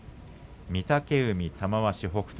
御嶽海、玉鷲、北勝